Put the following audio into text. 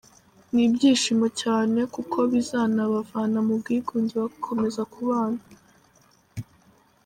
Ni ibyishimo cyane kuko bizanabavana mu bwigunge bagakomeza kubana.